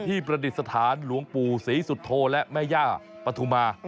ประดิษฐานหลวงปู่ศรีสุโธและแม่ย่าปฐุมา